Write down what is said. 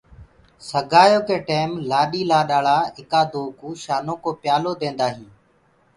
سگآيو ڪي ٽيم لآڏيٚ لآڏآݪآ آيڪا دو ڪوُ شآنو ڪو پيالو بي ديندآ هينٚ۔